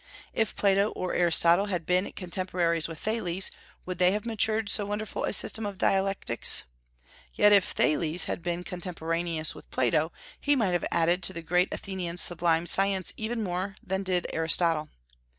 If Plato or Aristotle had been contemporaries with Thales, would they have matured so wonderful a system of dialectics? Yet if Thales had been contemporaneous with Plato, he might have added to the great Athenian's sublime science even more than did Aristotle.